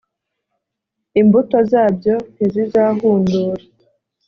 imbuto zabyo ntizizahundura